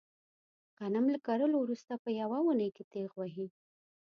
غنم له کرلو ورسته په یوه اونۍ کې تېغ وهي.